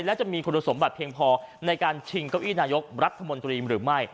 และจะมีคุณสมบัติเพียงพอในการชิงเก้าอี้นายกรัฐมนตรีหรือไม่